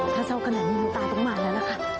ถ้าเศร้ากันแหละมีมือตาต้องมาแล้วนะคะ